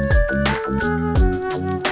aku mau tanya bapak